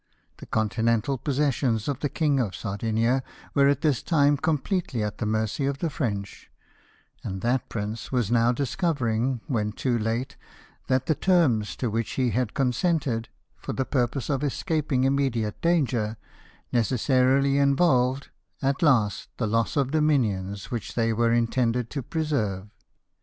The Continental possessions of the King of Sardinia were at this time completely at the mercy of the French, and that prince was now discovering, when too late, that the terms to which he had con sented, for the purpose of escaping immediate danger, necessarily involved, at last, the loss of the dominions which they were intended to preserve.